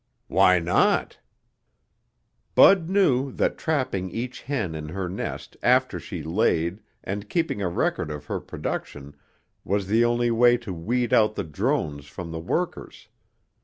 "Why not?" Bud knew that trapping each hen in her nest after she laid and keeping a record of her production was the only way to weed out the drones from the workers.